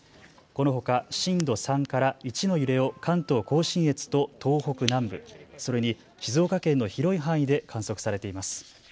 このほか震度３から１の揺れを関東甲信越と東北南部、それに静岡県の広い範囲で観測されています。